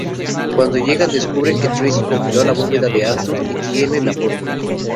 Cuando llegan descubren que Tracy congeló la bóveda de Arthur y tiene la fórmula.